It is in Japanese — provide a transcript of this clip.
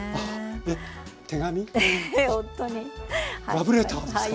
ラブレターですか？